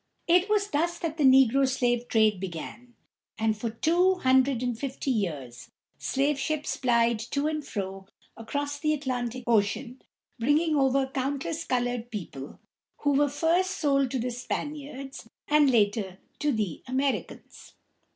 It was thus that the negro slave trade began, and for two hundred and fifty years slave ships plied to and fro across the Atlantic Ocean, bringing over countless colored people, who were sold first to the Spaniards and later to the Americans.